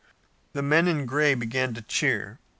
The men in gray began to cheer.